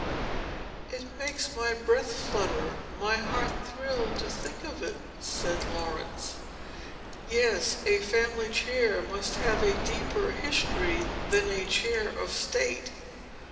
"It makes my breath flutter,—my heart thrill,—to think of it," said Laurence. "Yes; a family chair must have a deeper history than a Chair of State."